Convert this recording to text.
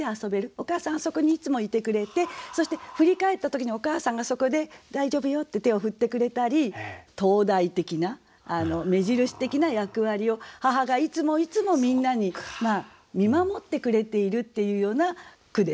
お母さんあそこにいつもいてくれてそして振り返った時にお母さんがそこで「大丈夫よ」って手を振ってくれたり灯台的な目印的な役割を母がいつもいつもみんなに見守ってくれているっていうような句ですね。